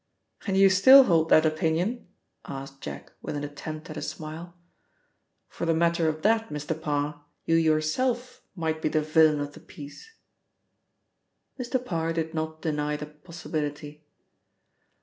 "And you still hold that opinion?" asked Jack with an attempt at a smile. "For the matter of that, Mr. Parr, you yourself might be the villain of the piece." Mr. Parr did not deny the possibility.